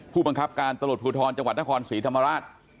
ผู้บังคับการตำรวจภูทรจังหวัดนครศรีธรรมราช